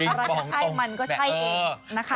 ตรงแบบมันก็ใช่อยู่นะครับ